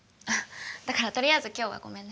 だからとりあえず今日はごめんね。